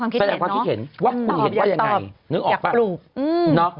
กันแจกความคิดเห็นเนอะตอบอยากตอบอยากกลุ่มนึกออกปะแน่น๋อ